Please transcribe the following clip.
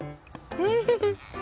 うん！